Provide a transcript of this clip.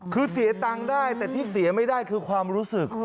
คือเสียตังค์ได้แต่ที่เสียไม่ได้คือความรู้สึก